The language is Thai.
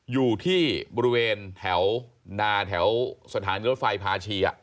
อยู่ที่บริเวณแถวนาแถวสถานีรถไฟพาชี